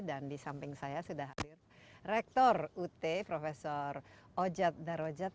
dan di samping saya sudah hadir rektor ut prof ojat darwajat